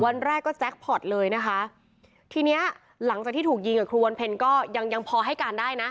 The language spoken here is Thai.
วันแรกก็แจ็คพอร์ตเลยนะคะทีเนี้ยหลังจากที่ถูกยิงกับครูวันเพ็ญก็ยังยังพอให้การได้นะ